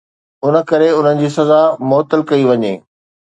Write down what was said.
ان ڪري انهن جي سزا معطل ڪئي وڃي.